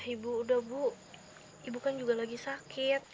ibu udah bu ibu kan juga lagi sakit